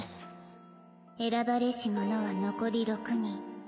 選ばれし者は残り６人。